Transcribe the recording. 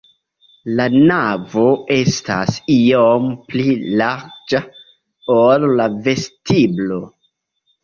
La navo estas iom pli larĝa, ol la vestiblo.